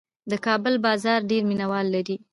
د کابل بازان ډېر مینه وال لري.